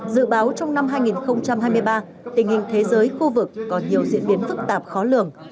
dự báo trong năm hai nghìn hai mươi ba tình hình thế giới khu vực có nhiều diễn biến phức tạp khó lường